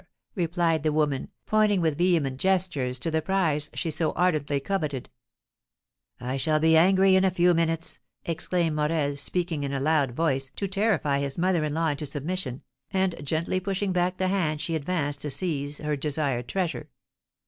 replied the woman, pointing with vehement gestures to the prize she so ardently coveted. "I shall be angry in a few minutes," exclaimed Morel, speaking in a loud voice to terrify his mother in law into submission, and gently pushing back the hand she advanced to seize her desired treasure.